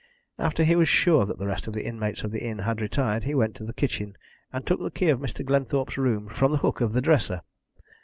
After he was sure that the rest of the inmates of the inn had retired, he went to the kitchen and took the key of Mr. Glenthorpe's room from the hook of the dresser.